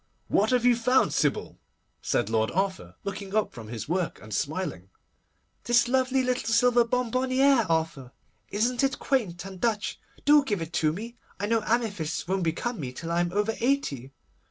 'What have you found, Sybil?' said Lord Arthur, looking up from his work, and smiling. 'This lovely little silver bonbonnière, Arthur. Isn't it quaint and Dutch? Do give it to me! I know amethysts won't become me till I am over eighty.